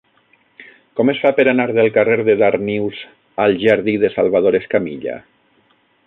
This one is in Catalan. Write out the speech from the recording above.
Com es fa per anar del carrer de Darnius al jardí de Salvador Escamilla?